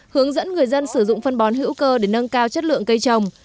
hướng dẫn người dân sử dụng phân bón hữu cơ để nâng cao chất lượng cây trồng